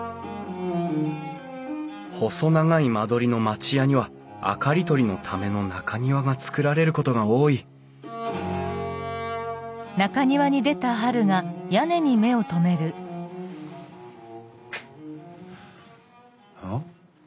細長い間取りの町家には明かり取りのための中庭が造られることが多いあ？